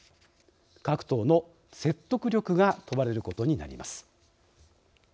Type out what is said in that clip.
各党の説得力が問われることになります。